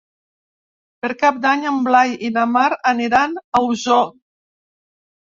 Per Cap d'Any en Blai i na Mar aniran a Osor.